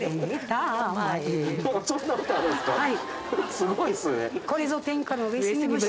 すごいっすね！